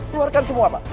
keluarkan semua pak